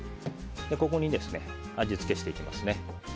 ここに味付けしていきます。